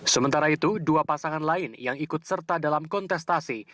sementara itu dua pasangan lain yang ikut serta dalam kontestasi